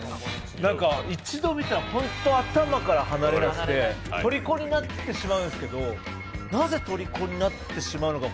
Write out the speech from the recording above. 一度見たら本当に頭から離れなくてとりこになってしまうんですけどなぜとりこになってしまうのか